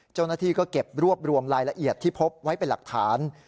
เจ้าหน้าที่ก็เก็บรวบรวมรายละเอียดที่พบไว้เป็นหลักฐาน